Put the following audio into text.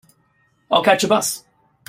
I'll catch a bus.